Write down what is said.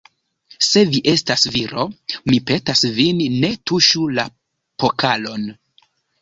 Se vi estas viro, Mi petas vin, ne tuŝu la pokalon!